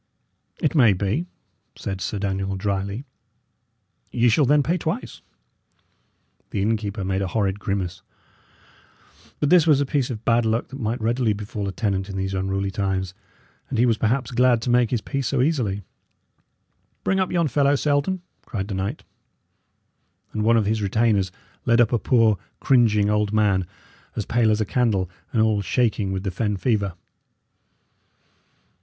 "It may be," said Sir Daniel, dryly. "Ye shall then pay twice." The innkeeper made a horrid grimace; but this was a piece of bad luck that might readily befall a tenant in these unruly times, and he was perhaps glad to make his peace so easily. "Bring up yon fellow, Selden!" cried the knight. And one of his retainers led up a poor, cringing old man, as pale as a candle, and all shaking with the fen fever.